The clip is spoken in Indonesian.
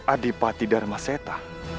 adipati dharma seta